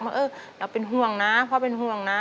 ว่าเออเราเป็นห่วงนะพ่อเป็นห่วงนะ